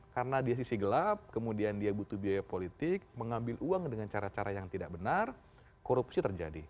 karena dia sisi gelap kemudian dia butuh biaya politik mengambil uang dengan cara cara yang tidak benar korupsi terjadi